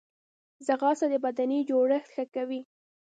ځغاسته د بدني جوړښت ښه کوي